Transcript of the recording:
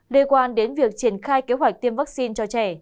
liên quan đến việc triển khai kế hoạch tiêm vaccine cho trẻ